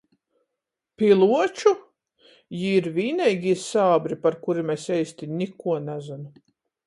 Pi Luoču??? Jī ir vīneigī sābri, par kurim es eisti nikuo nazynu...